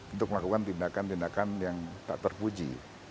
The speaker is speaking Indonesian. untuk melakukan tindakan tindakan yang tak terpuji